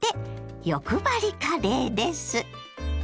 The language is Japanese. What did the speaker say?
欲張りカレーです。